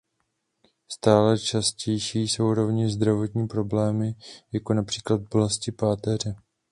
Stále častější jsou rovněž zdravotní problémy, jako například bolesti páteře.